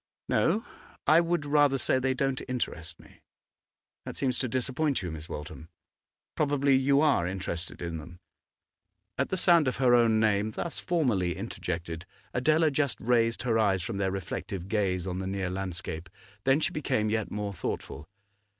'No. I would rather say they don't interest me. That seems to disappoint you, Miss Waltham. Probably you are interested in them?' At the sound of her own name thus formally interjected, Adela just raised her eyes from their reflective gaze on the near landscape; then she became yet more thoughtful.